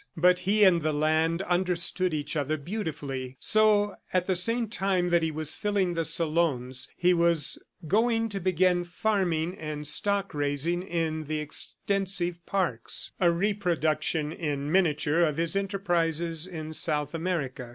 But he and the land understood each other beautifully. ... So at the same time that he was filling the salons, he was going to begin farming and stock raising in the extensive parks a reproduction in miniature of his enterprises in South America.